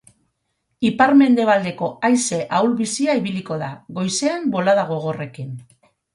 Ipar-mendebaldeko haize ahul-bizia ibiliko da, goizean bolada gogorrekin.